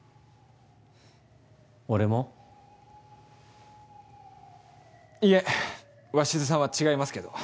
・俺も？いえ鷲津さんは違いますけど。